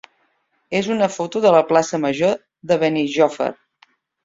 és una foto de la plaça major de Benijòfar.